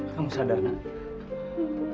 kamu sadar nak